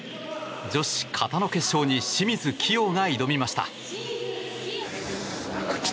女子形の決勝に清水希容が挑みました。